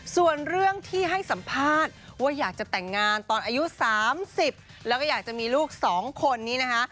ส่วนเรื่องที่ให้สัมภาษณ์ว่าอยากจะแต่งงานตอนอายุ๓๐แล้วก็อยากจะมีลูก๒คนนี้นะคะ